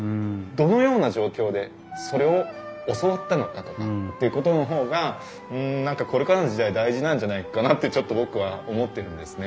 どのような状況でそれを教わったのかとかっていうことの方が何かこれからの時代大事なんじゃないかなってちょっと僕は思ってるんですね。